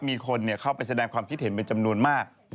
มีคนเข้าไปแสดงความคิดเห็นเป็นจำนวนมาก